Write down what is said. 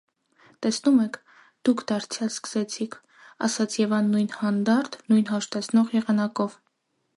- Տեսնո՞ւմ եք, դուք դարձյալ սկսեցիք,- ասաց Եվան նույն հանդարտ, նույն հաշտեցնող եղանակով: